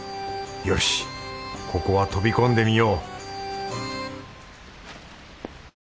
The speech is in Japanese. よしここは飛び込んでみよう！